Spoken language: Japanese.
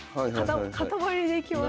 塊でいきます。